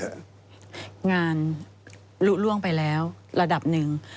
งานลุล่วงไปแล้วระดับหนึ่ง